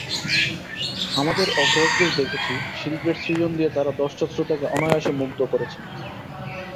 আমাদের অগ্রজদের দেখেছি শিল্পের সৃজন দিয়ে তাঁরা দর্শক-শ্রোতাকে অনায়াসে মুগ্ধ করেছেন।